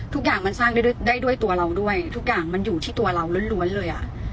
ทุกอย่างมันสร้างได้ด้วยได้ด้วยตัวเราด้วยทุกอย่างมันอยู่ที่ตัวเราล้วนเลยอ่ะ